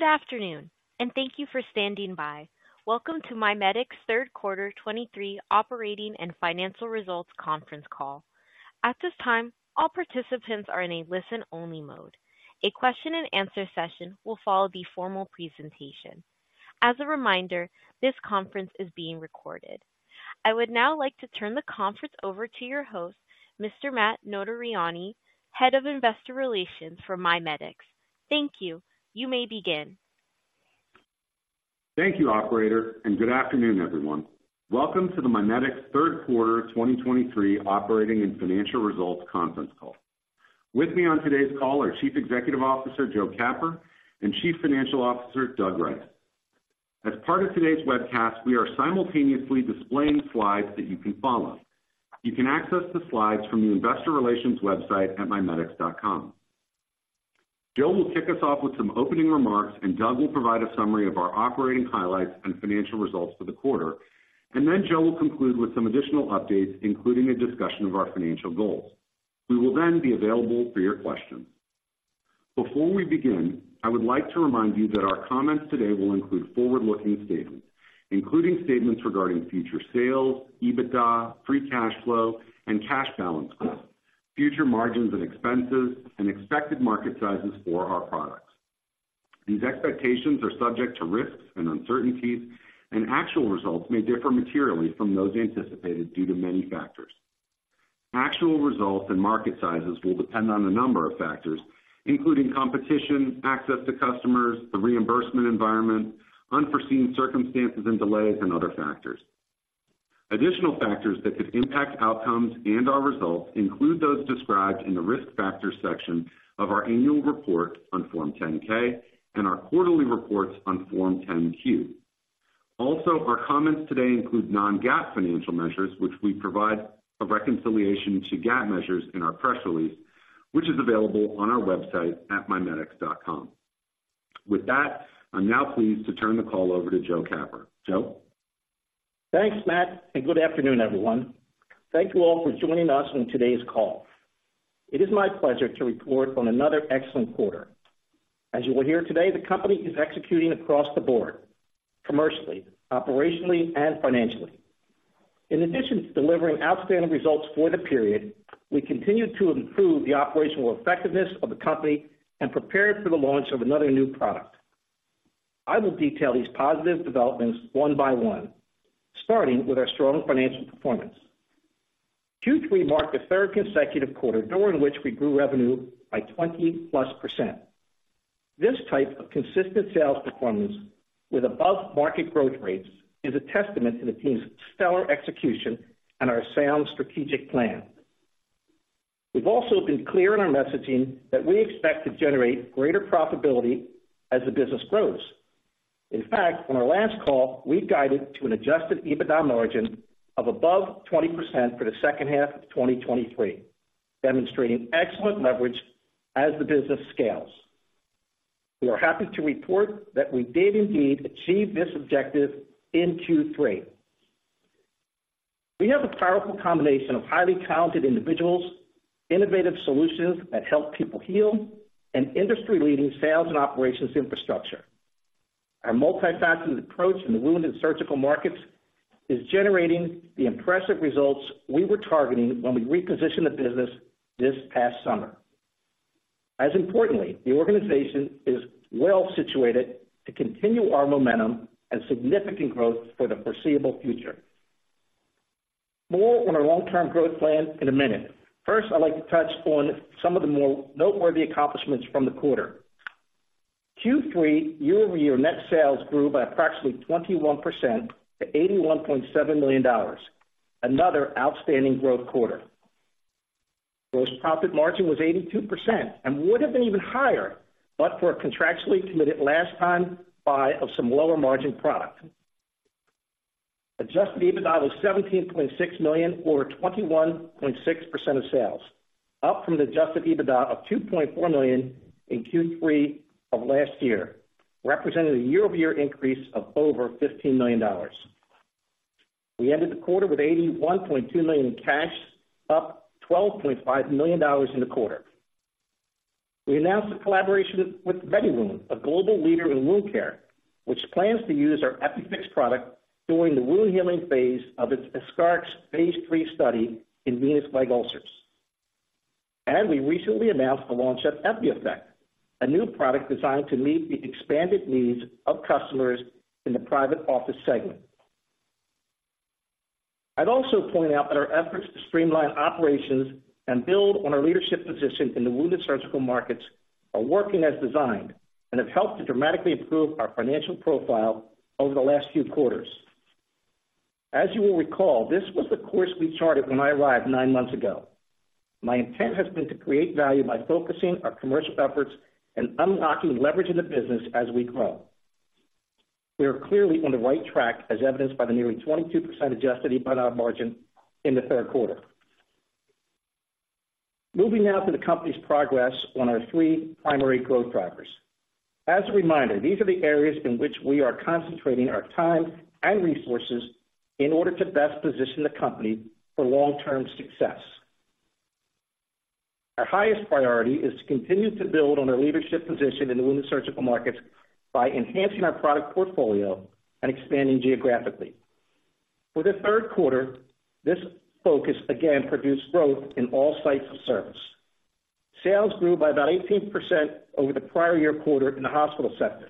Good afternoon, and thank you for standing by. Welcome to MiMedx third quarter 2023 operating and financial results conference call. At this time, all participants are in a listen-only mode. A question-and-answer session will follow the formal presentation. As a reminder, this conference is being recorded. I would now like to turn the conference over to your host, Mr. Matt Notarianni, Head of Investor Relations for MiMedx. Thank you. You may begin. Thank you, operator, and good afternoon, everyone. Welcome to the MiMedx third quarter 2023 operating and financial results conference call. With me on today's call are Chief Executive Officer, Joe Capper, and Chief Financial Officer, Doug Rice. As part of today's webcast, we are simultaneously displaying slides that you can follow. You can access the slides from the investor relations website at mimedx.com. Joe will kick us off with some opening remarks, and Doug will provide a summary of our operating highlights and financial results for the quarter. Then Joe will conclude with some additional updates, including a discussion of our financial goals. We will then be available for your questions. Before we begin, I would like to remind you that our comments today will include forward-looking statements, including statements regarding future sales, EBITDA, free cash flow and cash balance growth, future margins and expenses, and expected market sizes for our products. These expectations are subject to risks and uncertainties, and actual results may differ materially from those anticipated due to many factors. Actual results and market sizes will depend on a number of factors, including competition, access to customers, the reimbursement environment, unforeseen circumstances and delays and other factors. Additional factors that could impact outcomes and/or results include those described in the Risk Factors section of our annual report on Form 10-K and our quarterly reports on Form 10-Q. Also, our comments today include non-GAAP financial measures, which we provide a reconciliation to GAAP measures in our press release, which is available on our website at mimedx.com. With that, I'm now pleased to turn the call over to Joe Capper. Joe? Thanks, Matt, and good afternoon, everyone. Thank you all for joining us on today's call. It is my pleasure to report on another excellent quarter. As you will hear today, the company is executing across the board commercially, operationally, and financially. In addition to delivering outstanding results for the period, we continued to improve the operational effectiveness of the company and prepared for the launch of another new product. I will detail these positive developments one by one, starting with our strong financial performance. Q3 marked the third consecutive quarter during which we grew revenue by 20%+. This type of consistent sales performance with above-market growth rates is a testament to the team's stellar execution and our sound strategic plan. We've also been clear in our messaging that we expect to generate greater profitability as the business grows. In fact, on our last call, we guided to an adjusted EBITDA margin of above 20% for the second half of 2023, demonstrating excellent leverage as the business scales. We are happy to report that we did indeed achieve this objective in Q3. We have a powerful combination of highly talented individuals, innovative solutions that help people heal, and industry-leading sales and operations infrastructure. Our multifaceted approach in the wound and surgical markets is generating the impressive results we were targeting when we repositioned the business this past summer. As importantly, the organization is well situated to continue our momentum and significant growth for the foreseeable future. More on our long-term growth plan in a minute. First, I'd like to touch on some of the more noteworthy accomplishments from the quarter. Q3 year-over-year net sales grew by approximately 21% to $81.7 million, another outstanding growth quarter. Gross profit margin was 82% and would have been even higher, but for a contractually committed last-time buy of some lower-margin product. Adjusted EBITDA was $17.6 million, or 21.6% of sales, up from the adjusted EBITDA of $2.4 million in Q3 of last year, representing a year-over-year increase of over $15 million. We ended the quarter with $81.2 million in cash, up $12.5 million in the quarter. We announced a collaboration with MediWound, a global leader in wound care, which plans to use our EPIFIX product during the wound healing phase of its EscharEx phase III study in venous leg ulcers. We recently announced the launch of EPIEFFECT, a new product designed to meet the expanded needs of customers in the private office segment. I'd also point out that our efforts to streamline operations and build on our leadership position in the wound and surgical markets are working as designed and have helped to dramatically improve our financial profile over the last few quarters. As you will recall, this was the course we charted when I arrived nine months ago. My intent has been to create value by focusing our commercial efforts and unlocking leverage in the business as we grow. We are clearly on the right track, as evidenced by the nearly 22% Adjusted EBITDA margin in the third quarter. Moving now to the company's progress on our three primary growth drivers. As a reminder, these are the areas in which we are concentrating our time and resources in order to best position the company for long-term success. Our highest priority is to continue to build on our leadership position in the wound surgical markets by enhancing our product portfolio and expanding geographically. For the third quarter, this focus again produced growth in all sites of service. Sales grew by about 18% over the prior-year quarter in the hospital sector,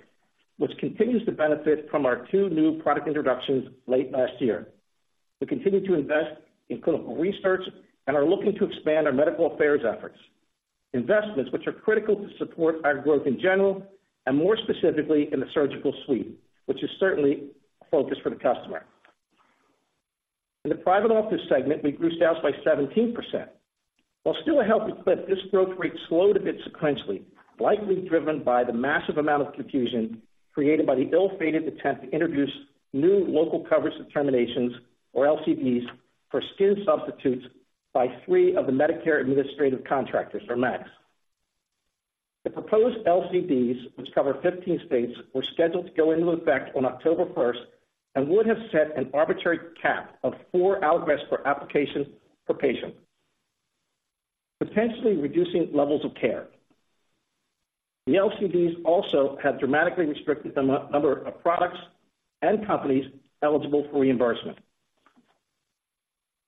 which continues to benefit from our two new product introductions late last year. We continue to invest in clinical research and are looking to expand our medical affairs efforts, investments which are critical to support our growth in general, and more specifically, in the surgical suite, which is certainly a focus for the customer. In the private office segment, we grew sales by 17%. While still a healthy clip, this growth rate slowed a bit sequentially, likely driven by the massive amount of confusion created by the ill-fated attempt to introduce new local coverage determinations, or LCDs, for skin substitutes by three of the Medicare administrative contractors, or MACs. The proposed LCDs, which cover 15 states, were scheduled to go into effect on October first and would have set an arbitrary cap of four applications for applications per patient, potentially reducing levels of care. The LCDs also have dramatically restricted the number of products and companies eligible for reimbursement.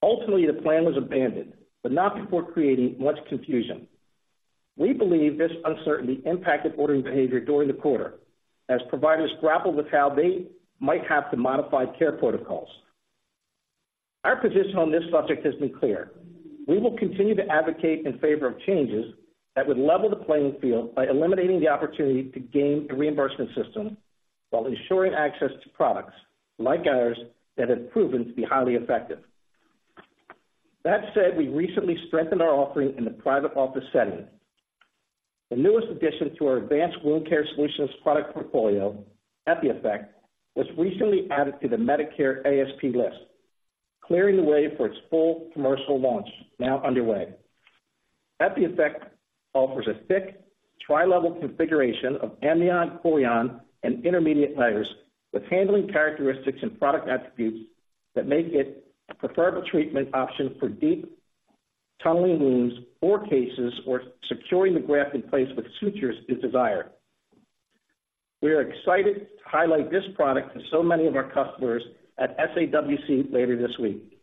Ultimately, the plan was abandoned, but not before creating much confusion. We believe this uncertainty impacted ordering behavior during the quarter, as providers grappled with how they might have to modify care protocols. Our position on this subject has been clear. We will continue to advocate in favor of changes that would level the playing field by eliminating the opportunity to game the reimbursement system while ensuring access to products like ours that have proven to be highly effective. That said, we recently strengthened our offering in the private office setting. The newest addition to our advanced wound care solutions product portfolio, EPIEFFECT, was recently added to the Medicare ASP list, clearing the way for its full commercial launch now underway. EPIEFFECT offers a thick, tri-level configuration of amnion, chorion, and intermediate layers, with handling characteristics and product attributes that make it a preferable treatment option for deep tunneling wounds or cases where securing the graft in place with sutures is desired. We are excited to highlight this product to so many of our customers at SAWC later this week.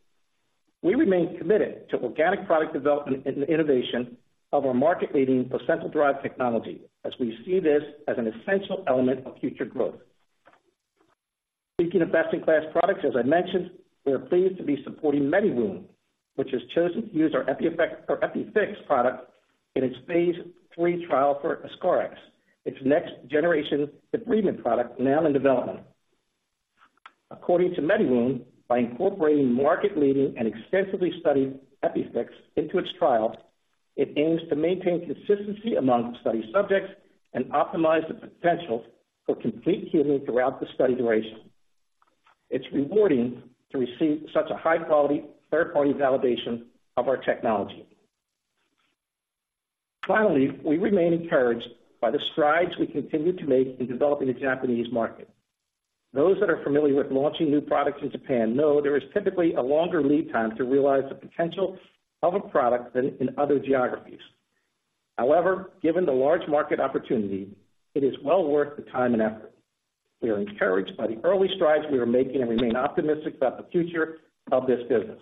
We remain committed to organic product development and innovation of our market-leading placental-derived technology, as we see this as an essential element of future growth. Speaking of best-in-class products, as I mentioned, we are pleased to be supporting MediWound, which has chosen to use our EPIEFFECT or EPIFIX product in its phase three trial for EscharEx, its next generation debridement product, now in development. According to MediWound, by incorporating market-leading and extensively studied EPIFIX into its trial, it aims to maintain consistency among study subjects and optimize the potential for complete healing throughout the study duration. It's rewarding to receive such a high quality third-party validation of our technology. Finally, we remain encouraged by the strides we continue to make in developing the Japanese market. Those that are familiar with launching new products in Japan know there is typically a longer lead time to realize the potential of a product than in other geographies. However, given the large market opportunity, it is well worth the time and effort. We are encouraged by the early strides we are making and remain optimistic about the future of this business.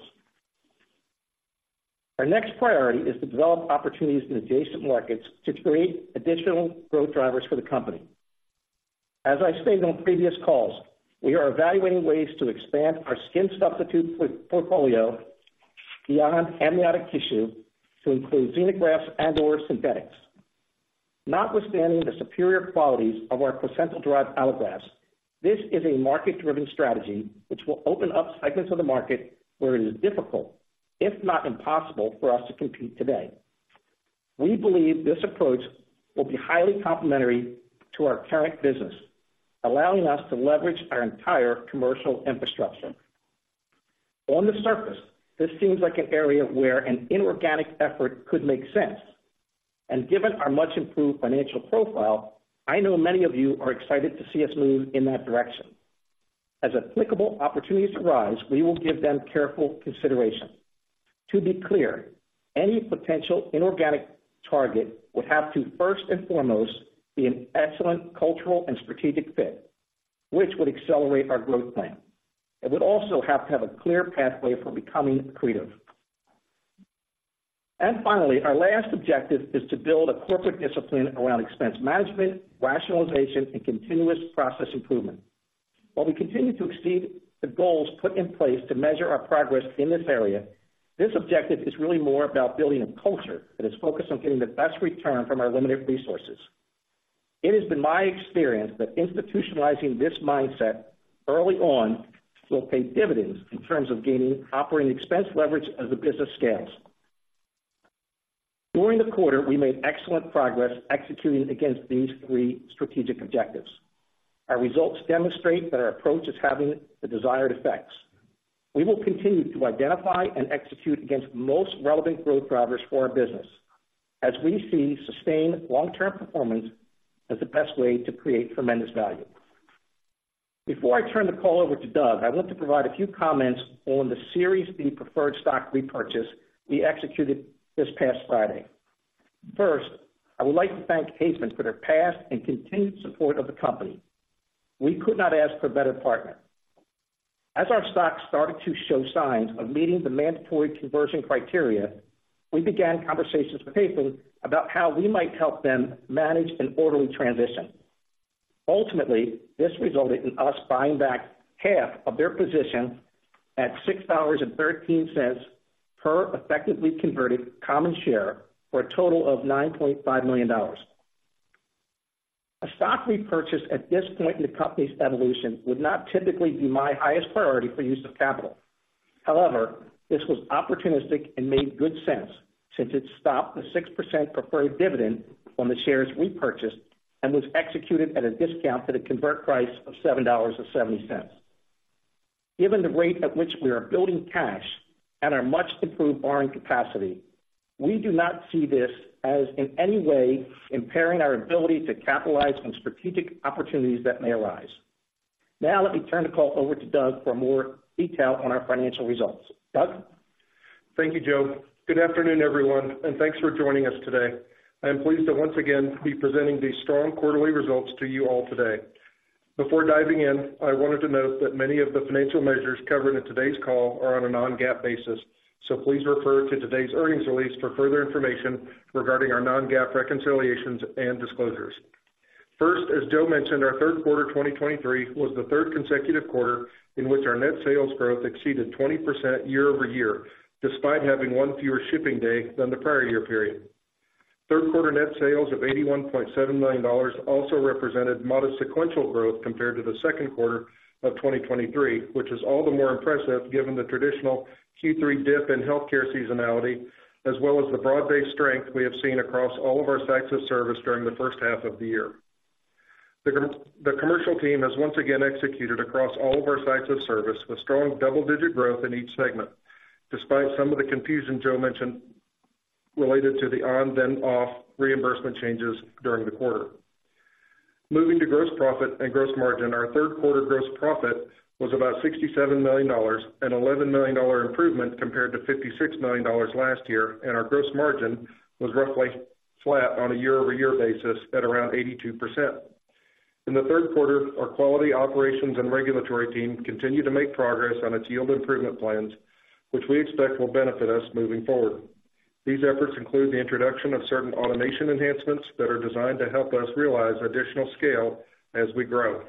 Our next priority is to develop opportunities in adjacent markets to create additional growth drivers for the company. As I stated on previous calls, we are evaluating ways to expand our skin substitute portfolio beyond amniotic tissue to include xenografts and/or synthetics. Notwithstanding the superior qualities of our placental-derived allografts, this is a market-driven strategy which will open up segments of the market where it is difficult, if not impossible, for us to compete today. We believe this approach will be highly complementary to our current business, allowing us to leverage our entire commercial infrastructure. On the surface, this seems like an area where an inorganic effort could make sense, and given our much improved financial profile, I know many of you are excited to see us move in that direction. As applicable opportunities arise, we will give them careful consideration. To be clear, any potential inorganic target would have to first and foremost, be an excellent cultural and strategic fit, which would accelerate our growth plan. It would also have to have a clear pathway for becoming accretive. And finally, our last objective is to build a corporate discipline around expense management, rationalization, and continuous process improvement. While we continue to exceed the goals put in place to measure our progress in this area, this objective is really more about building a culture that is focused on getting the best return from our limited resources. It has been my experience that institutionalizing this mindset early on will pay dividends in terms of gaining operating expense leverage as the business scales. During the quarter, we made excellent progress executing against these three strategic objectives. Our results demonstrate that our approach is having the desired effects. We will continue to identify and execute against the most relevant growth drivers for our business as we see sustained long-term performance as the best way to create tremendous value.... Before I turn the call over to Doug, I want to provide a few comments on the Series B preferred stock repurchase we executed this past Friday. First, I would like to thank Hayman for their past and continued support of the company. We could not ask for a better partner. As our stock started to show signs of meeting the mandatory conversion criteria, we began conversations with Hayman about how we might help them manage an orderly transition. Ultimately, this resulted in us buying back half of their position at $6.13 per effectively converted common share, for a total of $9.5 million. A stock repurchase at this point in the company's evolution would not typically be my highest priority for use of capital. However, this was opportunistic and made good sense since it stopped the 6% preferred dividend on the shares repurchased and was executed at a discount to the convert price of $7.70. Given the rate at which we are building cash and our much improved borrowing capacity, we do not see this as in any way impairing our ability to capitalize on strategic opportunities that may arise. Now, let me turn the call over to Doug for more detail on our financial results. Doug? Thank you, Joe. Good afternoon, everyone, and thanks for joining us today. I am pleased to once again be presenting these strong quarterly results to you all today. Before diving in, I wanted to note that many of the financial measures covered in today's call are on a non-GAAP basis, so please refer to today's earnings release for further information regarding our non-GAAP reconciliations and disclosures. First, as Joe mentioned, our third quarter 2023 was the third consecutive quarter in which our net sales growth exceeded 20% year-over-year, despite having one fewer shipping day than the prior year period. Third quarter net sales of $81.7 million also represented modest sequential growth compared to the second quarter of 2023, which is all the more impressive given the traditional Q3 dip in healthcare seasonality, as well as the broad-based strength we have seen across all of our sites of service during the first half of the year. The commercial team has once again executed across all of our sites of service, with strong double-digit growth in each segment, despite some of the confusion Joe mentioned related to the on then off reimbursement changes during the quarter. Moving to gross profit and gross margin, our third quarter gross profit was about $67 million, an $11 million improvement compared to $56 million last year, and our gross margin was roughly flat on a year-over-year basis at around 82%. In the third quarter, our quality operations and regulatory team continued to make progress on its yield improvement plans, which we expect will benefit us moving forward. These efforts include the introduction of certain automation enhancements that are designed to help us realize additional scale as we grow.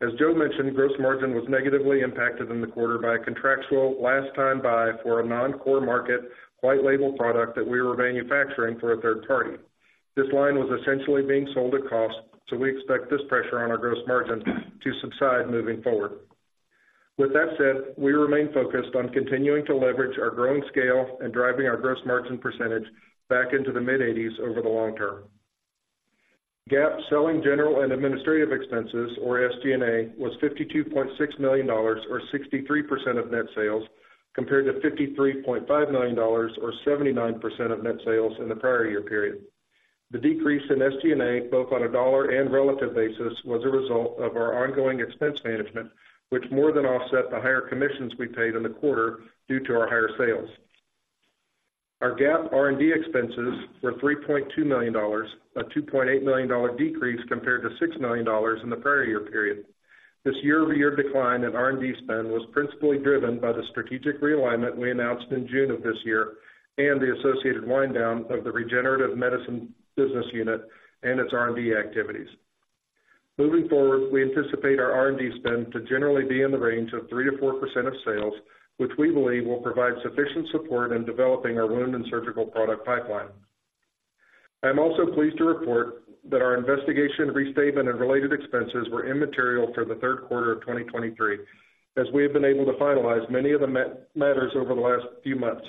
As Joe mentioned, gross margin was negatively impacted in the quarter by a contractual last time buy for a non-core market white label product that we were manufacturing for a third party. This line was essentially being sold at cost, so we expect this pressure on our gross margin to subside moving forward. With that said, we remain focused on continuing to leverage our growing scale and driving our gross margin percentage back into the mid-eighties over the long term. GAAP selling, general and administrative expenses, or SG&A, was $52.6 million, or 63% of net sales, compared to $53.5 million, or 79% of net sales in the prior year period. The decrease in SG&A, both on a dollar and relative basis, was a result of our ongoing expense management, which more than offset the higher commissions we paid in the quarter due to our higher sales. Our GAAP R&D expenses were $3.2 million, a $2.8 million decrease compared to $6 million in the prior year period. This year-over-year decline in R&D spend was principally driven by the strategic realignment we announced in June of this year, and the associated wind down of the regenerative medicine business unit and its R&D activities. Moving forward, we anticipate our R&D spend to generally be in the range of 3%-4% of sales, which we believe will provide sufficient support in developing our wound and surgical product pipeline. I'm also pleased to report that our investigation, restatement and related expenses were immaterial for the third quarter of 2023, as we have been able to finalize many of the matters over the last few months.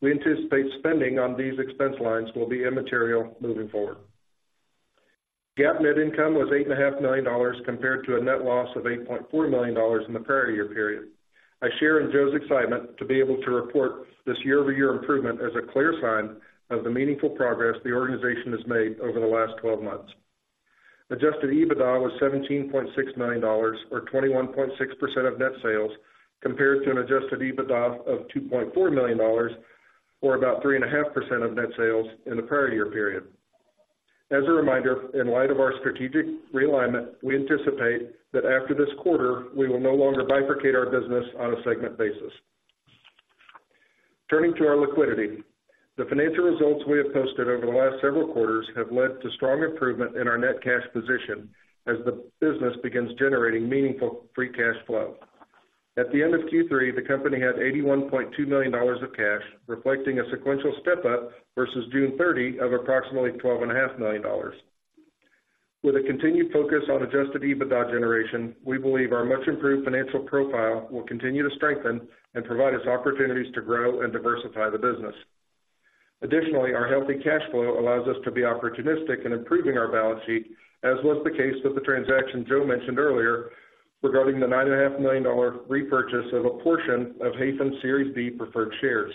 We anticipate spending on these expense lines will be immaterial moving forward. GAAP net income was $8.5 million, compared to a net loss of $8.4 million in the prior year period. I share in Joe's excitement to be able to report this year-over-year improvement as a clear sign of the meaningful progress the organization has made over the last 12 months. Adjusted EBITDA was $17.6 million, or 21.6% of net sales, compared to an adjusted EBITDA of $2.4 million, or about 3.5% of net sales in the prior year period. As a reminder, in light of our strategic realignment, we anticipate that after this quarter, we will no longer bifurcate our business on a segment basis. Turning to our liquidity, the financial results we have posted over the last several quarters have led to strong improvement in our net cash position as the business begins generating meaningful free cash flow. At the end of Q3, the company had $81.2 million of cash, reflecting a sequential step-up versus June 30 of approximately $12.5 million. With a continued focus on Adjusted EBITDA generation, we believe our much improved financial profile will continue to strengthen and provide us opportunities to grow and diversify the business. Additionally, our healthy cash flow allows us to be opportunistic in improving our balance sheet, as was the case with the transaction Joe mentioned earlier, regarding the $9.5 million repurchase of a portion of Hayman's Series B preferred shares.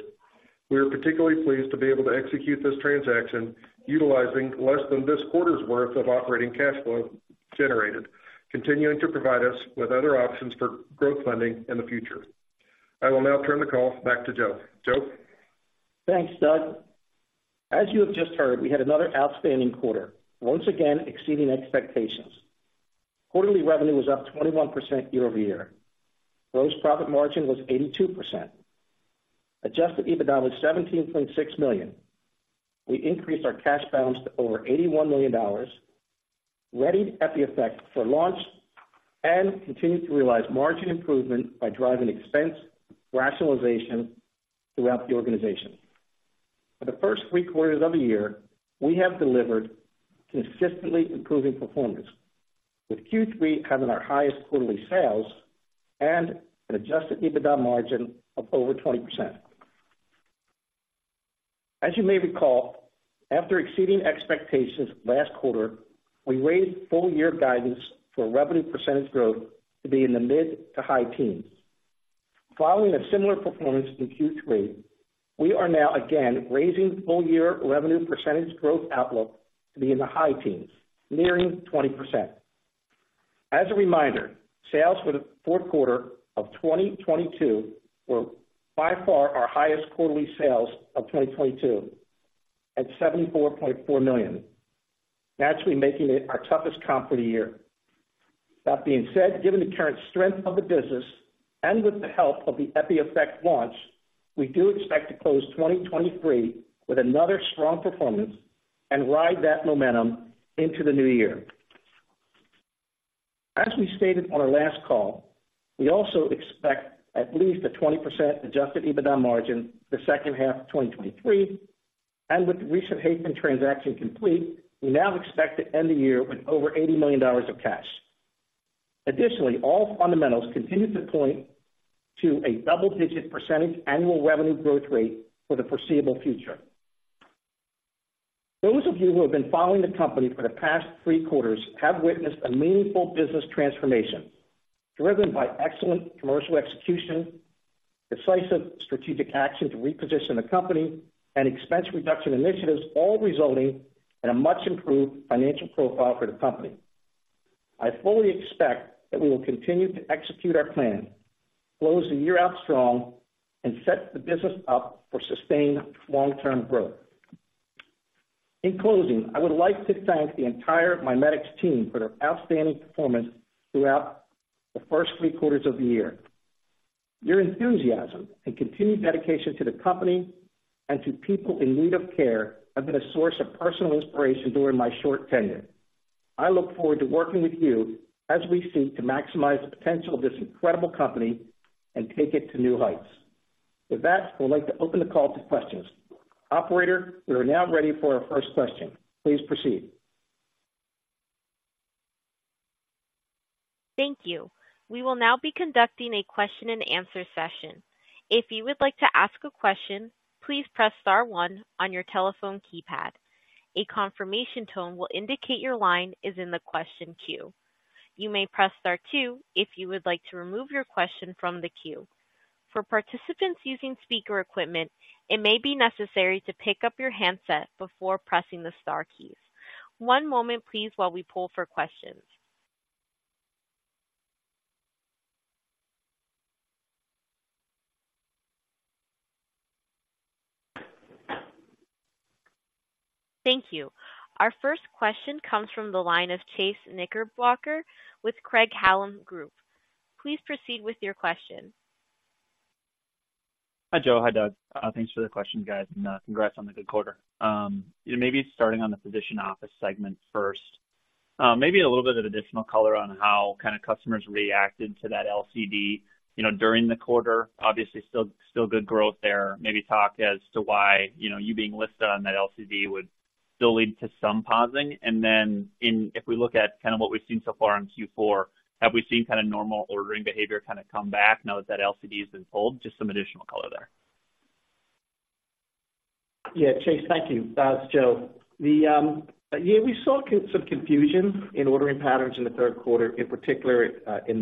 We are particularly pleased to be able to execute this transaction utilizing less than this quarter's worth of operating cash flow generated, continuing to provide us with other options for growth funding in the future. I will now turn the call back to Joe. Joe? Thanks, Doug. As you have just heard, we had another outstanding quarter, once again exceeding expectations. Quarterly revenue was up 21% year-over-year. Gross profit margin was 82%. Adjusted EBITDA was $17.6 million. We increased our cash balance to over $81 million, readied EPIEFFECT for launch, and continued to realize margin improvement by driving expense rationalization throughout the organization. For the first three quarters of the year, we have delivered consistently improving performance, with Q3 having our highest quarterly sales and an adjusted EBITDA margin of over 20%. As you may recall, after exceeding expectations last quarter, we raised full year guidance for revenue percentage growth to be in the mid to high teens. Following a similar performance in Q3, we are now again raising full year revenue percentage growth outlook to be in the high teens, nearing 20%. As a reminder, sales for the fourth quarter of 2022 were by far our highest quarterly sales of 2022, at $74.4 million, naturally making it our toughest comp for the year. That being said, given the current strength of the business and with the help of the EPIEFFECT launch, we do expect to close 2023 with another strong performance and ride that momentum into the new year. As we stated on our last call, we also expect at least a 20% Adjusted EBITDA margin the second half of 2023, and with the recent Hayfin transaction complete, we now expect to end the year with over $80 million of cash. Additionally, all fundamentals continue to point to a double-digit percentage annual revenue growth rate for the foreseeable future. Those of you who have been following the company for the past three quarters have witnessed a meaningful business transformation, driven by excellent commercial execution, decisive strategic action to reposition the company, and expense reduction initiatives, all resulting in a much improved financial profile for the company. I fully expect that we will continue to execute our plan, close the year out strong, and set the business up for sustained long-term growth. In closing, I would like to thank the entire MiMedx team for their outstanding performance throughout the first three quarters of the year. Your enthusiasm and continued dedication to the company and to people in need of care have been a source of personal inspiration during my short tenure. I look forward to working with you as we seek to maximize the potential of this incredible company and take it to new heights. With that, I'd like to open the call to questions. Operator, we are now ready for our first question. Please proceed. Thank you. We will now be conducting a question-and-answer session. If you would like to ask a question, please press star one on your telephone keypad. A confirmation tone will indicate your line is in the question queue. You may press star two if you would like to remove your question from the queue. For participants using speaker equipment, it may be necessary to pick up your handset before pressing the star keys. One moment, please, while we pull for questions. Thank you. Our first question comes from the line of Chase Knickerbocker with Craig-Hallum. Please proceed with your question. Hi, Joe. Hi, Doug. Thanks for the question, guys, and congrats on the good quarter. Maybe starting on the physician office segment first, maybe a little bit of additional color on how kind of customers reacted to that LCD, you know, during the quarter. Obviously, still, still good growth there. Maybe talk as to why, you know, you being listed on that LCD would still lead to some pausing. And then if we look at kind of what we've seen so far in Q4, have we seen kind of normal ordering behavior kind of come back now that that LCD has been pulled? Just some additional color there. Yeah, Chase, thank you. It's Joe. Yeah, we saw some confusion in ordering patterns in the third quarter, in particular, in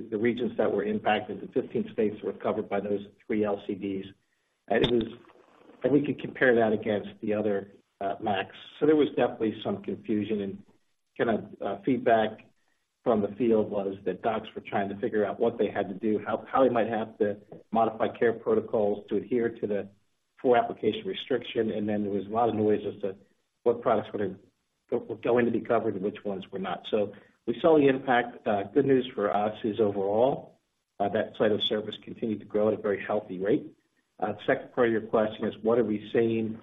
the regions that were impacted, the 15 states that were covered by those 3 LCDs. And we could compare that against the other MACs. So there was definitely some confusion, and kind of, feedback from the field was that docs were trying to figure out what they had to do, how they might have to modify care protocols to adhere to the 4-application restriction. And then there was a lot of noise as to what products were going to be covered and which ones were not. So we saw the impact. Good news for us is overall, that site of service continued to grow at a very healthy rate. The second part of your question is, what are we seeing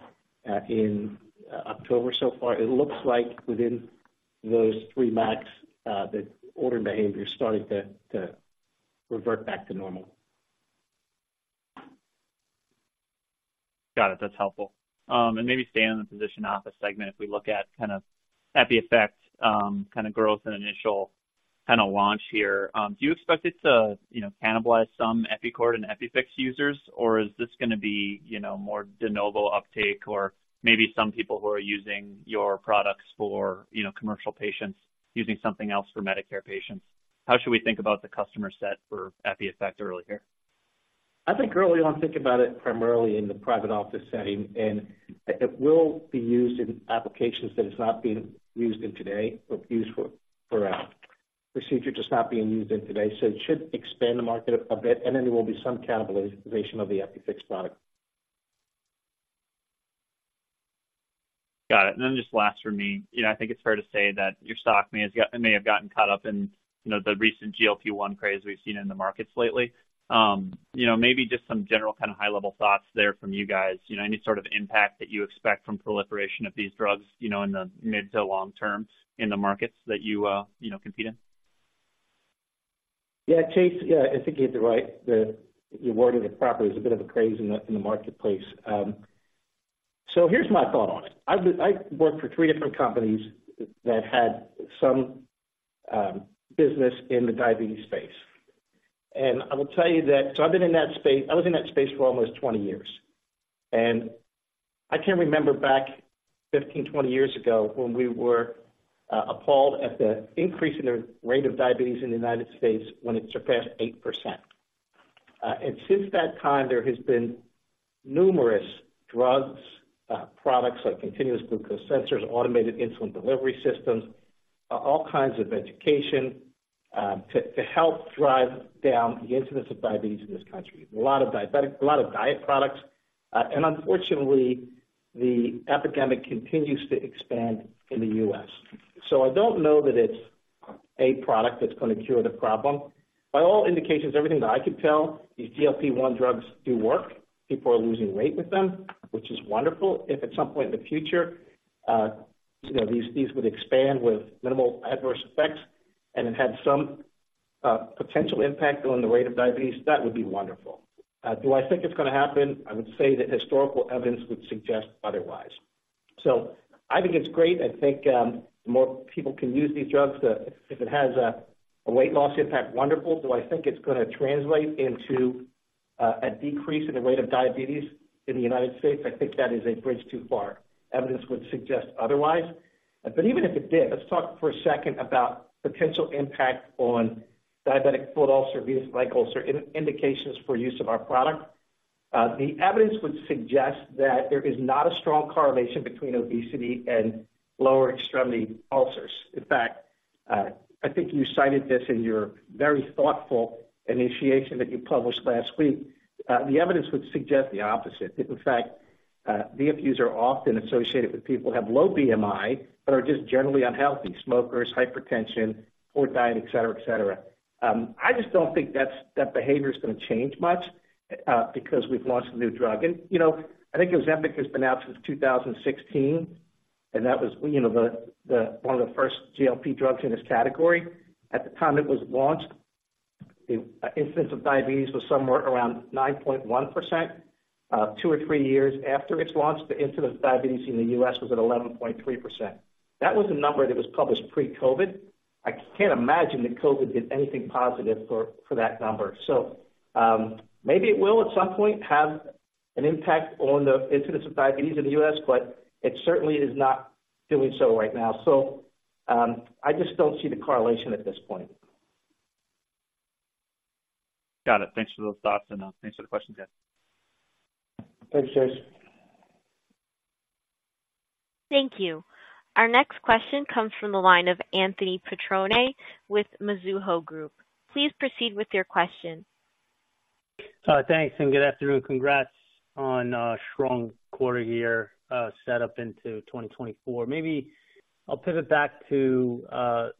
in October so far? It looks like within those three MACs, the ordering behavior is starting to revert back to normal. Got it. That's helpful. And maybe staying in the physician office segment, if we look at kind of EPIEFFECT, kind of growth and initial kind of launch here, do you expect it to, you know, cannibalize some EPICORD and EPIFIX users? Or is this gonna be, you know, more de novo uptake or maybe some people who are using your products for, you know, commercial patients, using something else for Medicare patients? How should we think about the customer set for EPIEFFECT early here?... I think early on, think about it primarily in the private office setting, and it will be used in applications that it's not being used in today, but used for procedure just not being used in today. So it should expand the market a bit, and then there will be some cannibalization of the EPIFIX product. Got it. And then just last for me, you know, I think it's fair to say that your stock may have gotten caught up in, you know, the recent GLP-1 craze we've seen in the markets lately. You know, maybe just some general kind of high-level thoughts there from you guys. You know, any sort of impact that you expect from proliferation of these drugs, you know, in the mid to long term in the markets that you, you know, compete in? Yeah, Chase, yeah, I think you hit it right. You worded it properly, there's a bit of a craze in the marketplace. So here's my thought on it. I've worked for three different companies that had some business in the diabetes space. And I will tell you that. So I was in that space for almost 20 years, and I can remember back 15, 20 years ago, when we were appalled at the increase in the rate of diabetes in the United States when it surpassed 8%. And since that time, there has been numerous drugs, products like continuous glucose sensors, automated insulin delivery systems, all kinds of education, to help drive down the incidence of diabetes in this country. A lot of diabetic, a lot of diet products, and unfortunately, the epidemic continues to expand in the U.S. So I don't know that it's a product that's gonna cure the problem. By all indications, everything that I could tell, these GLP-1 drugs do work. People are losing weight with them, which is wonderful. If at some point in the future, you know, these, these would expand with minimal adverse effects and it had some, potential impact on the rate of diabetes, that would be wonderful. Do I think it's gonna happen? I would say that historical evidence would suggest otherwise. So I think it's great. I think, the more people can use these drugs, if it has a, a weight loss impact, wonderful. Do I think it's gonna translate into, a decrease in the rate of diabetes in the United States? I think that is a bridge too far. Evidence would suggest otherwise. But even if it did, let's talk for a second about potential impact on diabetic foot ulcer, venous leg ulcer, and indications for use of our product. The evidence would suggest that there is not a strong correlation between obesity and lower extremity ulcers. In fact, I think you cited this in your very thoughtful initiation that you published last week. The evidence would suggest the opposite. In fact, VLUs are often associated with people who have low BMI, but are just generally unhealthy, smokers, hypertension, poor diet, et cetera, et cetera. I just don't think that behavior is gonna change much, because we've launched a new drug. You know, I think Ozempic has been out since 2016, and that was, you know, the, the, one of the first GLP drugs in this category. At the time it was launched, the incidence of diabetes was somewhere around 9.1%. Two or three years after its launch, the incidence of diabetes in the U.S. was at 11.3%. That was a number that was published pre-COVID. I can't imagine that COVID did anything positive for, for that number. So, I just don't see the correlation at this point. Got it. Thanks for those thoughts, and thanks for the question, Joe. Thanks, Chase. Thank you. Our next question comes from the line of Anthony Petrone with Mizuho Group. Please proceed with your question. Thanks, and good afternoon. Congrats on a strong quarter here, set up into 2024. Maybe I'll pivot back to, the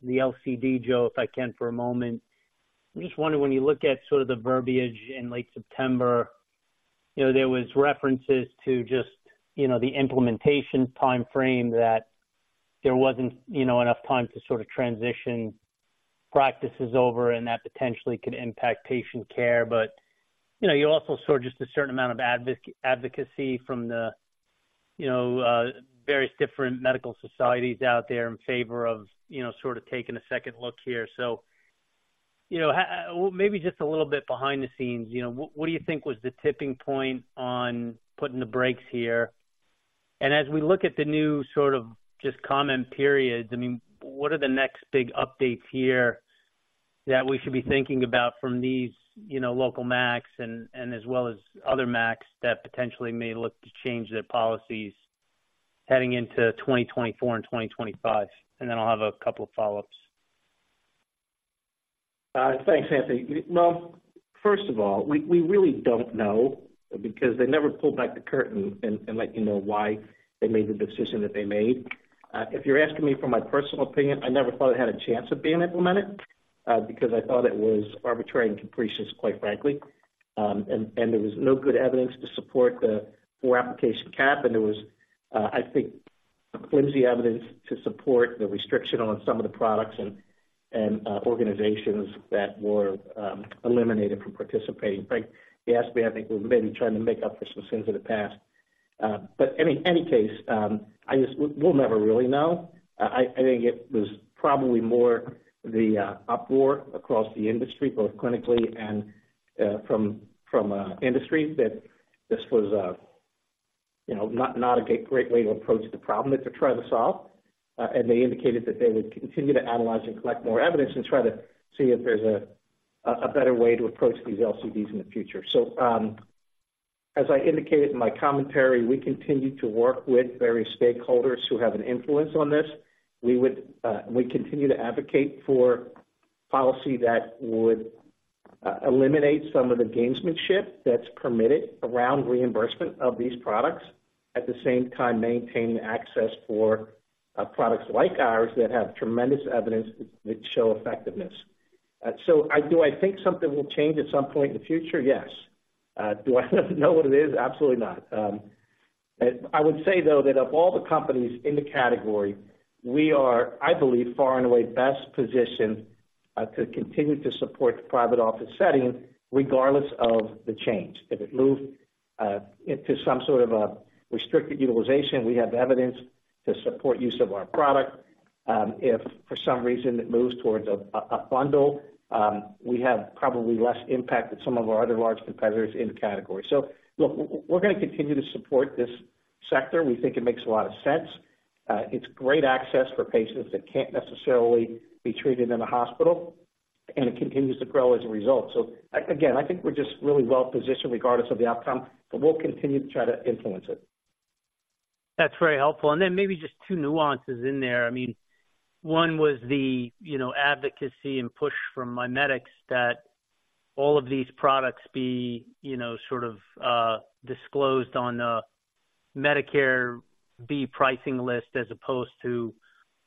LCD, Joe, if I can, for a moment. I'm just wondering, when you look at sort of the verbiage in late September, you know, there was references to just, you know, the implementation timeframe, that there wasn't, you know, enough time to sort of transition practices over and that potentially could impact patient care. But, you know, you also saw just a certain amount of advocacy from the, you know, various different medical societies out there in favor of, you know, sort of taking a second look here. So, you know, well, maybe just a little bit behind the scenes, you know, what do you think was the tipping point on putting the brakes here? As we look at the new sort of just comment periods, I mean, what are the next big updates here that we should be thinking about from these, you know, local MACs and, and as well as other MACs that potentially may look to change their policies heading into 2024 and 2025? Then I'll have a couple of follow-ups. Thanks, Anthony. Well, first of all, we really don't know because they never pulled back the curtain and let you know why they made the decision that they made. If you're asking me for my personal opinion, I never thought it had a chance of being implemented because I thought it was arbitrary and capricious, quite frankly. There was no good evidence to support the 4 application cap, and there was, I think, flimsy evidence to support the restriction on some of the products and organizations that were eliminated from participating. Uncertain, I think, was maybe trying to make up for some sins of the past. But in any case, we'll never really know. I think it was probably more the uproar across the industry, both clinically and from industry, that this was, you know, not a great way to approach the problem that they're trying to solve. And they indicated that they would continue to analyze and collect more evidence and try to see if there's a better way to approach these LCDs in the future. So, as I indicated in my commentary, we continue to work with various stakeholders who have an influence on this. We continue to advocate for policy that would eliminate some of the gamesmanship that's permitted around reimbursement of these products, at the same time, maintaining access for products like ours that have tremendous evidence that show effectiveness. So, do I think something will change at some point in the future? Yes. Do I know what it is? Absolutely not. I would say, though, that of all the companies in the category, we are, I believe, far and away best positioned to continue to support the private office setting regardless of the change. If it moves into some sort of a restricted utilization, we have evidence to support use of our product. If for some reason, it moves towards a bundle, we have probably less impact than some of our other large competitors in the category. So look, we're, we're gonna continue to support this sector. We think it makes a lot of sense. It's great access for patients that can't necessarily be treated in a hospital, and it continues to grow as a result. Again, I think we're just really well positioned regardless of the outcome, but we'll continue to try to influence it. That's very helpful. Then maybe just two nuances in there. I mean, one was the, you know, advocacy and push from MiMedx that all of these products be, you know, sort of, disclosed on a Medicare B pricing list as opposed to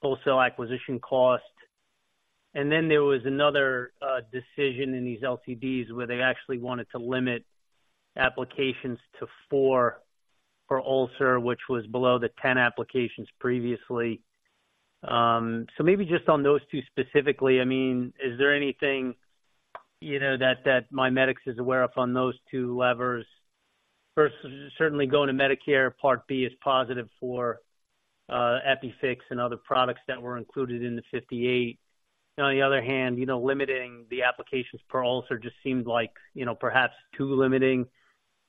wholesale acquisition cost. And then there was another, decision in these LCDs, where they actually wanted to limit applications to 4 per ulcer, which was below the 10 applications previously. So maybe just on those two specifically, I mean, is there anything, you know, that, that MiMedx is aware of on those two levers? First, certainly going to Medicare Part B is positive for, EPIFIX and other products that were included in the 58. On the other hand, you know, limiting the applications per ulcer just seems like, you know, perhaps too limiting.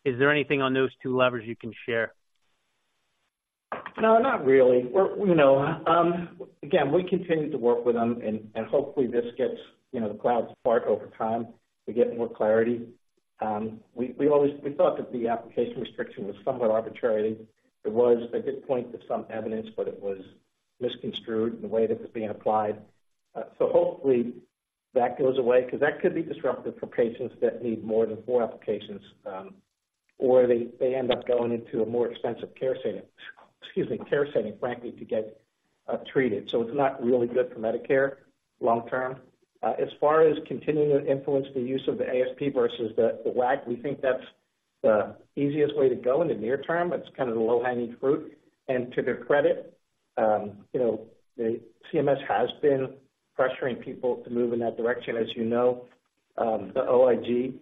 Is there anything on those two levers you can share? No, not really. We're, you know, again, we continue to work with them, and hopefully this gets, you know, the clouds to part over time to get more clarity. We always thought that the application restriction was somewhat arbitrary. It was. It did point to some evidence, but it was misconstrued in the way that it was being applied. So hopefully that goes away, because that could be disruptive for patients that need more than four applications, or they end up going into a more expensive care setting, excuse me, care setting, frankly, to get treated. So it's not really good for Medicare long term. As far as continuing to influence the use of the ASP versus the WAC, we think that's the easiest way to go in the near term. It's kind of the low-hanging fruit. To their credit, you know, the CMS has been pressuring people to move in that direction. As you know, the OIG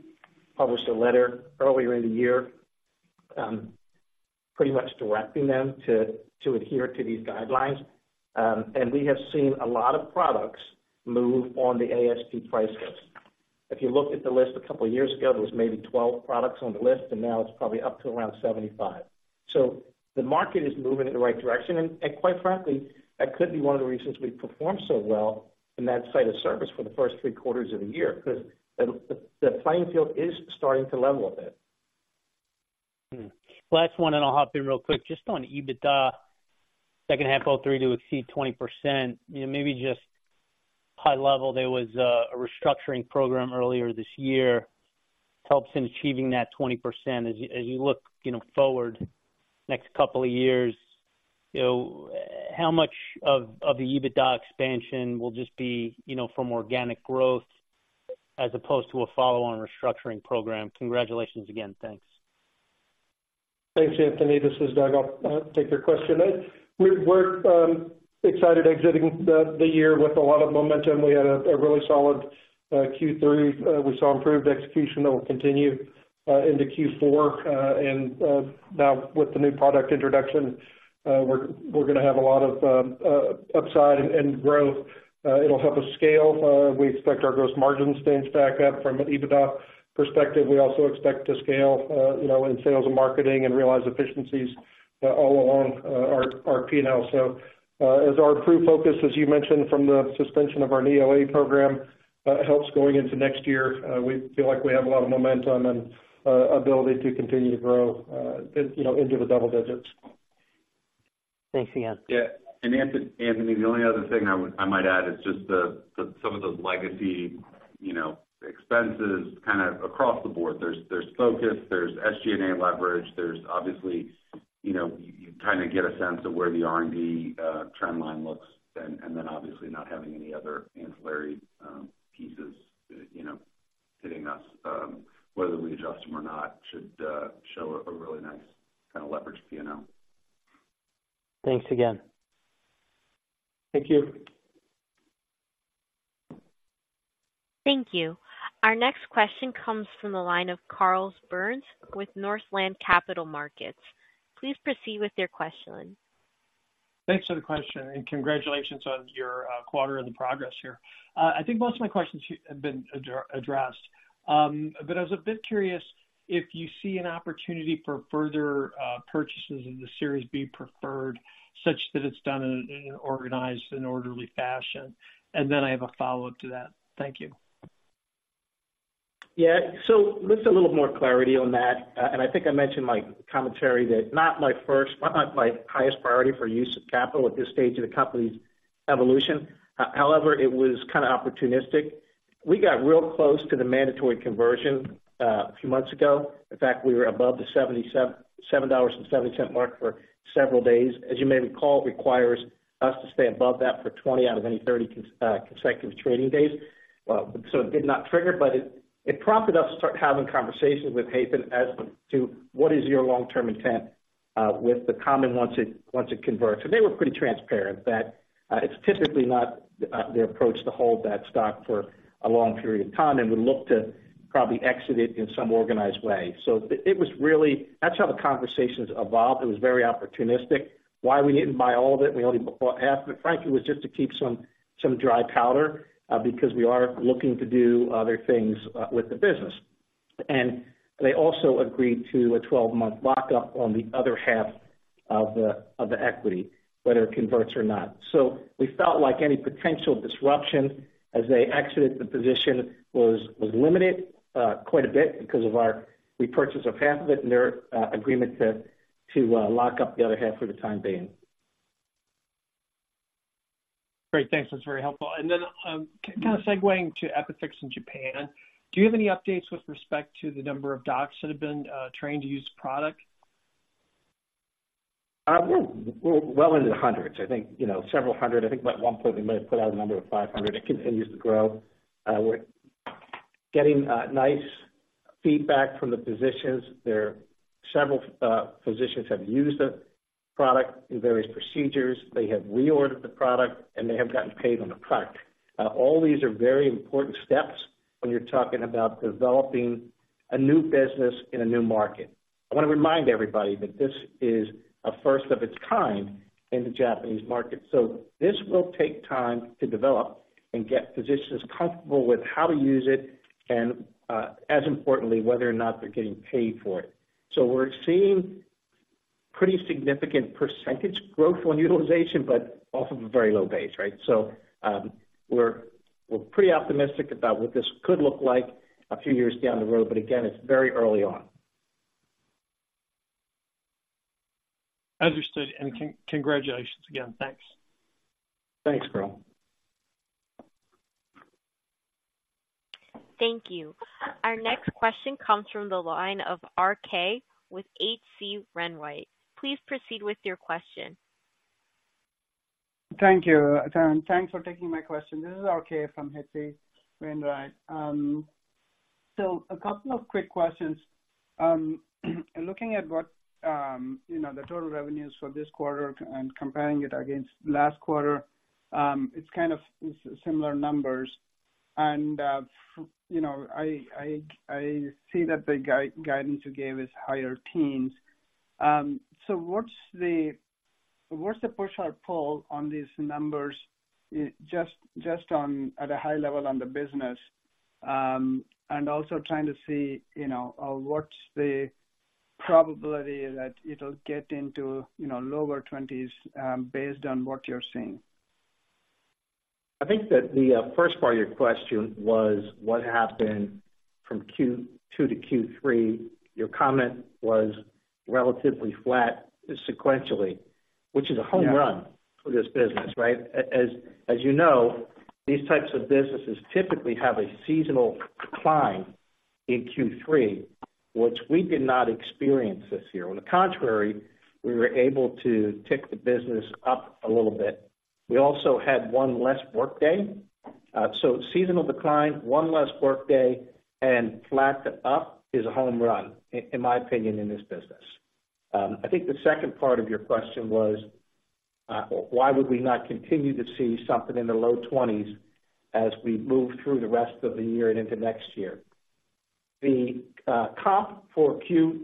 published a letter earlier in the year, pretty much directing them to adhere to these guidelines. We have seen a lot of products move on the ASP price list. If you look at the list, a couple of years ago, there was maybe 12 products on the list, and now it's probably up to around 75. So the market is moving in the right direction, and quite frankly, that could be one of the reasons we've performed so well in that site of service for the first three quarters of the year, because the playing field is starting to level a bit. Hmm. Last one, and I'll hop in real quick. Just on EBITDA, second half of 2023 to exceed 20%. You know, maybe just high level, there was a restructuring program earlier this year that helps in achieving that 20%. As you look forward next couple of years, you know, how much of the EBITDA expansion will just be from organic growth as opposed to a follow-on restructuring program? Congratulations again. Thanks. Thanks, Anthony. This is Doug. I'll take your question. We're excited exiting the year with a lot of momentum. We had a really solid Q3. We saw improved execution that will continue into Q4. And now with the new product introduction, we're gonna have a lot of upside and growth. It'll help us scale. We expect our gross margin stance back up from an EBITDA perspective. We also expect to scale, you know, in sales and marketing and realize efficiencies all along our P&L. As our approved focus, as you mentioned, from the suspension of our knee OA program, helps going into next year, we feel like we have a lot of momentum and ability to continue to grow, you know, into the double digits. Thanks again. Yeah, and Anthony, the only other thing I might add is just some of those legacy, you know, expenses kind of across the board. There's focus, there's SG&A leverage, there's obviously, you know, you kind of get a sense of where the R&D trend line looks, and then obviously not having any other ancillary pieces, you know, hitting us, whether we adjust them or not, should show a really nice kind of leverage P&L. Thanks again. Thank you. Thank you. Our next question comes from the line of Carl Byrnes with Northland Capital Markets. Please proceed with your questioning.... Thanks for the question, and congratulations on your quarter and the progress here. I think most of my questions have been addressed, but I was a bit curious if you see an opportunity for further purchases in the Series B preferred, such that it's done in an organized and orderly fashion? And then I have a follow-up to that. Thank you. Yeah. So just a little more clarity on that, and I think I mentioned in my commentary that not my first—not my highest priority for use of capital at this stage of the company's evolution. However, it was kind of opportunistic. We got real close to the mandatory conversion a few months ago. In fact, we were above the $77.70 mark for several days. As you may recall, it requires us to stay above that for 20 out of any 30 consecutive trading days. So it did not trigger, but it prompted us to start having conversations with Hayman as to what is your long-term intent with the common once it converts? They were pretty transparent that it's typically not their approach to hold that stock for a long period of time and would look to probably exit it in some organized way. So it was really... That's how the conversations evolved. It was very opportunistic. Why we didn't buy all of it, and we only bought half of it, frankly, was just to keep some dry powder because we are looking to do other things with the business. And they also agreed to a 12-month lockup on the other half of the equity, whether it converts or not. So we felt like any potential disruption as they exited the position was limited quite a bit because of our repurchase of half of it and their agreement to lock up the other half for the time being. Great. Thanks. That's very helpful. And then, kind of segueing to EPIFIX in Japan, do you have any updates with respect to the number of docs that have been trained to use the product? We're well into the hundreds, I think, you know, several hundred. I think at one point we might have put out a number of 500. It continues to grow. We're getting nice feedback from the physicians. There are several physicians have used the product in various procedures. They have reordered the product, and they have gotten paid on the product. All these are very important steps when you're talking about developing a new business in a new market. I want to remind everybody that this is a first of its kind in the Japanese market, so this will take time to develop and get physicians comfortable with how to use it and, as importantly, whether or not they're getting paid for it. So we're seeing pretty significant percentage growth on utilization, but off of a very low base, right? So, we're pretty optimistic about what this could look like a few years down the road, but again, it's very early on. Understood, and congratulations again. Thanks. Thanks, Bill. Thank you. Our next question comes from the line of RK with H.C. Wainwright. Please proceed with your question. Thank you, and thanks for taking my question. This is RK from HC Wainwright. So a couple of quick questions. Looking at what, you know, the total revenues for this quarter and comparing it against last quarter, it's kind of similar numbers. And, you know, I see that the guidance you gave is higher teens. So what's the push or pull on these numbers, just on at a high level on the business? And also trying to see, you know, what's the probability that it'll get into, you know, lower twenties, based on what you're seeing? I think that the first part of your question was what happened from Q2 to Q3. Your comment was relatively flat sequentially, which is a home run- Yeah For this business, right? As, as you know, these types of businesses typically have a seasonal decline in Q3, which we did not experience this year. On the contrary, we were able to tick the business up a little bit. We also had one less workday. So seasonal decline, one less workday, and flat to up is a home run in my opinion, in this business. I think the second part of your question was, why would we not continue to see something in the low 20s as we move through the rest of the year and into next year? The comp for Q4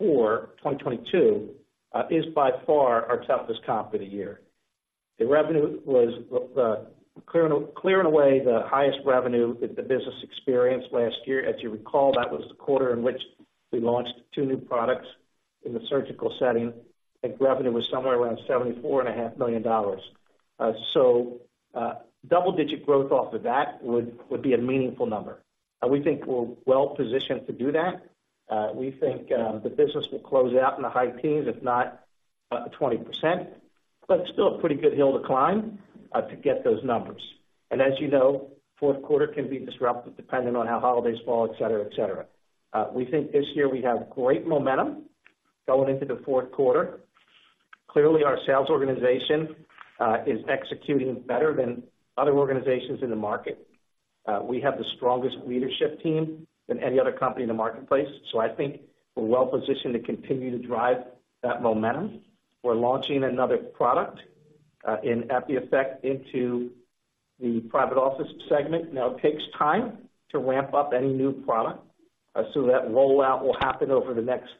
2022 is by far our toughest comp of the year. The revenue was clear and away, the highest revenue that the business experienced last year. As you recall, that was the quarter in which we launched two new products in the surgical setting, and revenue was somewhere around $74.5 million. So, double-digit growth off of that would be a meaningful number. And we think we're well positioned to do that. We think the business will close out in the high teens, if not 20%, but still a pretty good hill to climb to get those numbers. And as you know, fourth quarter can be disruptive depending on how holidays fall, et cetera, et cetera. We think this year we have great momentum going into the fourth quarter. Clearly, our sales organization is executing better than other organizations in the market. We have the strongest leadership team than any other company in the marketplace, so I think we're well positioned to continue to drive that momentum. We're launching another product in EPIEFFECT. The private office segment now takes time to ramp up any new product. So that rollout will happen over the next,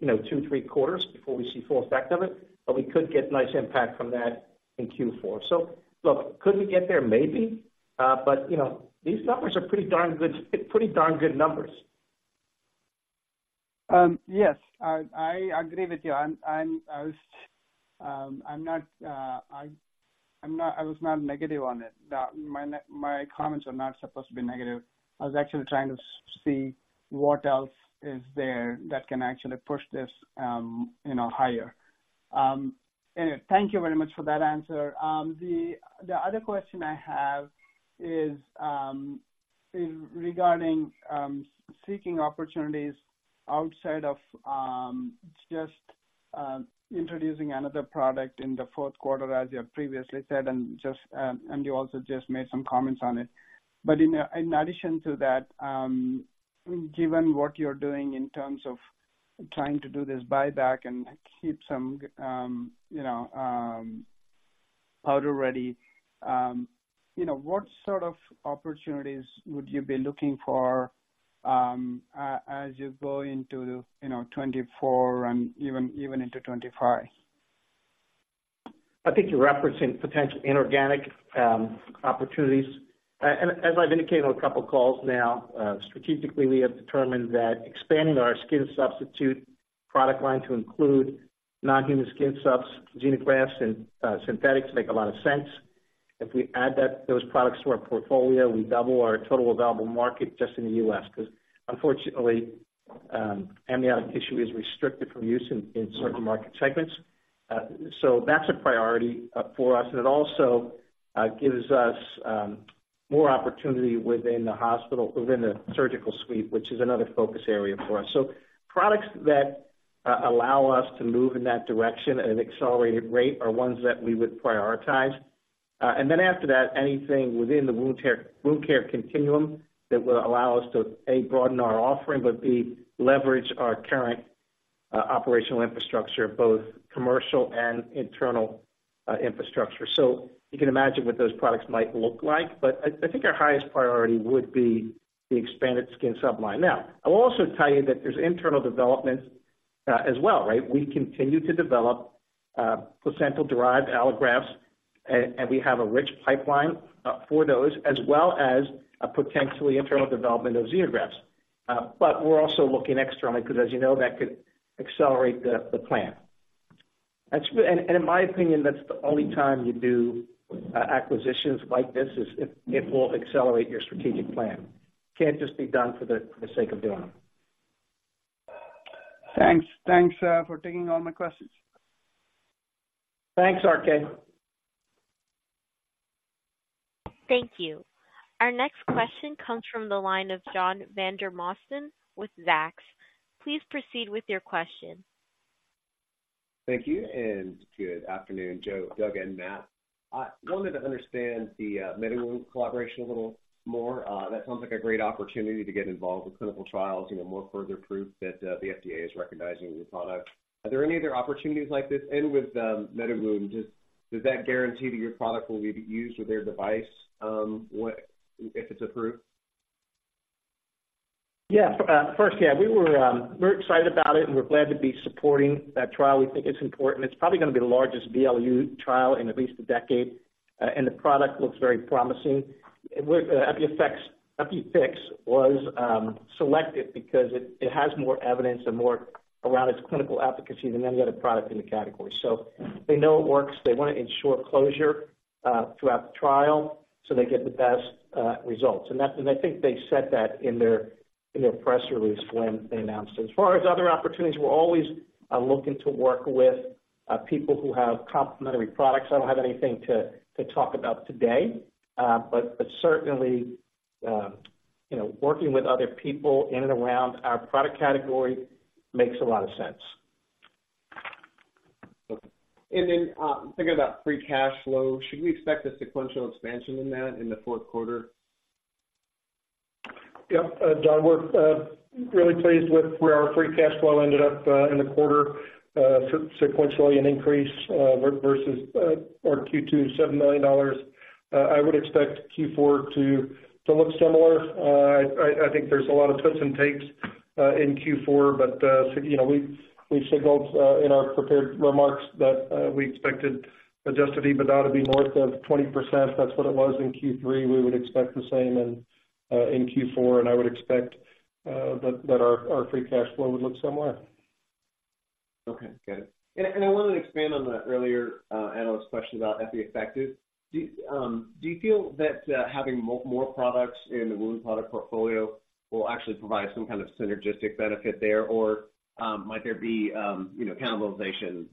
you know, two, three quarters before we see full effect of it, but we could get nice impact from that in Q4. So look, could we get there? Maybe. But, you know, these numbers are pretty darn good, pretty darn good numbers. Yes, I agree with you. I'm not. I was not negative on it. My comments are not supposed to be negative. I was actually trying to see what else is there that can actually push this, you know, higher. Anyway, thank you very much for that answer. The other question I have is regarding seeking opportunities outside of just introducing another product in the fourth quarter, as you have previously said, and you also just made some comments on it. But in addition to that, given what you're doing in terms of trying to do this buyback and keep some, you know, powder ready, you know, what sort of opportunities would you be looking for, as you go into, you know, 2024 and even into 2025? I think you're referencing potential inorganic opportunities. As I've indicated on a couple of calls now, strategically, we have determined that expanding our skin substitute product line to include non-human skin subs, xenografts, and synthetics make a lot of sense. If we add that, those products to our portfolio, we double our total available market just in the U.S., because unfortunately, amniotic tissue is restricted from use in certain market segments. That's a priority for us, and it also gives us more opportunity within the hospital, within the surgical suite, which is another focus area for us. Products that allow us to move in that direction at an accelerated rate are ones that we would prioritize. And then after that, anything within the wound care, wound care continuum that will allow us to, A, broaden our offering, but, B, leverage our current operational infrastructure, both commercial and internal infrastructure. So you can imagine what those products might look like, but I think our highest priority would be the expanded skin sub line. Now, I will also tell you that there's internal developments as well, right? We continue to develop placental-derived allografts, and we have a rich pipeline for those, as well as a potentially internal development of xenografts. But we're also looking externally, because as you know, that could accelerate the plan. That's, and in my opinion, that's the only time you do acquisitions like this, is if it will accelerate your strategic plan. Can't just be done for the sake of doing it. Thanks. Thanks, for taking all my questions. Thanks, RK. Thank you. Our next question comes from the line of John Vandermosten with Zacks. Please proceed with your question. Thank you, and good afternoon, Joe, Doug, and Matt. I wanted to understand the MediWound collaboration a little more. That sounds like a great opportunity to get involved with clinical trials, you know, more further proof that the FDA is recognizing your product. Are there any other opportunities like this? With MediWound, does that guarantee that your product will be used with their device, what... If it's approved? Yeah. First, yeah, we were, we're excited about it, and we're glad to be supporting that trial. We think it's important. It's probably gonna be the largest VLU trial in at least a decade, and the product looks very promising. With, EPIEFFECT - EPIFIX was selected because it, it has more evidence and more around its clinical efficacy than any other product in the category. So they know it works. They want to ensure closure, throughout the trial, so they get the best, results. And that, and I think they said that in their, in their press release when they announced it. As far as other opportunities, we're always, looking to work with, people who have complementary products. I don't have anything to talk about today, but certainly, you know, working with other people in and around our product category makes a lot of sense. Okay. And then, thinking about free cash flow, should we expect a sequential expansion in that in the fourth quarter? Yep. John, we're really pleased with where our free cash flow ended up in the quarter sequentially an increase versus our Q2 $7 million. I would expect Q4 to look similar. I think there's a lot of twists and takes in Q4, but you know, we signaled in our prepared remarks that we expected Adjusted EBITDA to be north of 20%. That's what it was in Q3. We would expect the same in Q4, and I would expect that our free cash flow would look similar. Okay, good. I wanted to expand on the earlier analyst question about EPIEFFECT. Do you feel that having more products in the wound product portfolio will actually provide some kind of synergistic benefit there? Or might there be, you know, cannibalization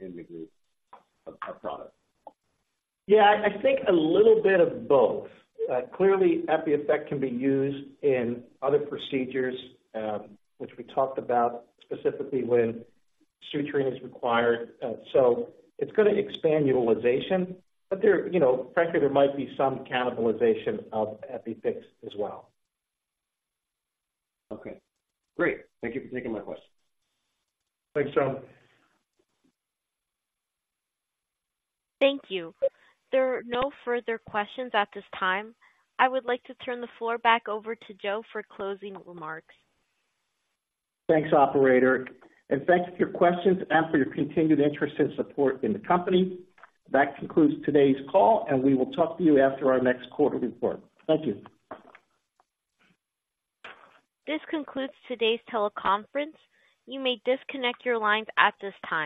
in the group of products? Yeah, I think a little bit of both. Clearly, EPIEFFECT can be used in other procedures, which we talked about specifically when suturing is required. So it's gonna expand utilization, but there, you know, frankly, there might be some cannibalization of EPIFIX as well. Okay, great. Thank you for taking my questions. Thanks, John. Thank you. There are no further questions at this time. I would like to turn the floor back over to Joe for closing remarks. Thanks, operator, and thanks for your questions and for your continued interest and support in the company. That concludes today's call, and we will talk to you after our next quarter report. Thank you. This concludes today's teleconference. You may disconnect your lines at this time.